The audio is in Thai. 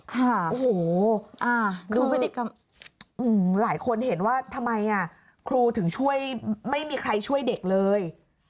ค่ะโอ้โหดูพฤติกรรมหลายคนเห็นว่าทำไมครูถึงช่วยไม่มีใครช่วยเด็กเลย